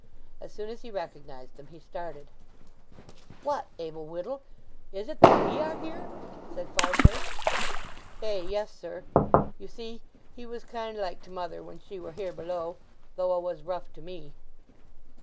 As soon as he recognized them he started. "What, Abel Whittle; is it that ye are heere?" said Farfrae. "Ay, yes sir! You see he was kind like to mother when she wer here below, though 'a was rough to me."